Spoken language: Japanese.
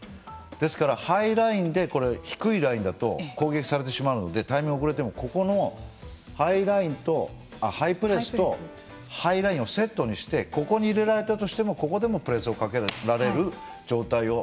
ですから、ハイラインで低いラインだと攻撃されてしまうのでタイミングが遅れてもハイプレスとハイラインをセットにしてここに入れられたとしてもここでもプレスをかけられる状態を。